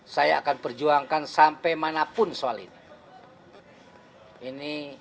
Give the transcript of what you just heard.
saya akan perjuangkan sampai mana pun soal ini